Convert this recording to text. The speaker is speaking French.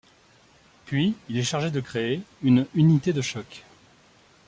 Puis il est chargé de créer une unité de choc.